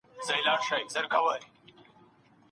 نرسې وویل چي ډاکټره د لوړ ږغ سره پاڼه ړنګوي.